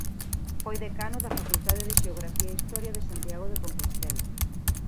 Foi decano da Facultade de Xeografía e Historia de Santiago de Compostela.